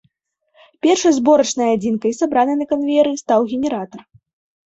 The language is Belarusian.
Першай зборачнай адзінкай, сабранай на канвееры, стаў генератар.